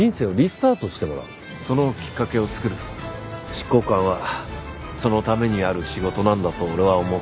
執行官はそのためにある仕事なんだと俺は思う。